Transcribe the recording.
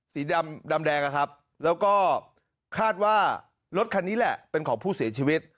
สีดำดำแดงนะครับแล้วก็คาดว่ารถคันนี้แหละเป็นของผู้เสียชีวิต